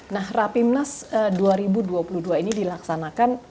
nah rapimnas dua ribu dua puluh dua ini dilaksanakan